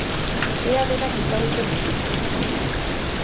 Ea denak ezagutzen dituzun.